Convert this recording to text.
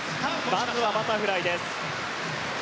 まずはバタフライです。